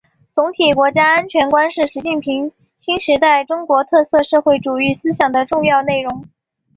总体国家安全观是习近平新时代中国特色社会主义思想的重要内容